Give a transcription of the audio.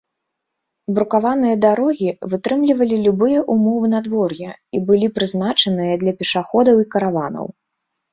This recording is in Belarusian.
Брукаваныя дарогі вытрымлівалі любыя ўмовы надвор'я і былі прызначаныя для пешаходаў і караванаў.